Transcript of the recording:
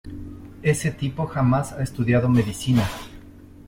Ese tipo jamás ha estudiado medicina.